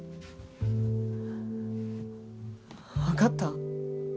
わかった？